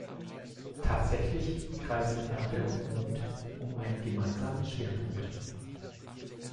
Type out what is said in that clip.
Tatsächlich kreisen Erde und Mond um einen gemeinsamen Schwerpunkt.